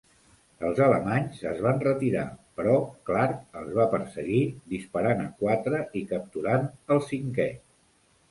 Els alemanys es van retirar, però Clarke els va perseguir, disparant a quatre i capturant all cinquè.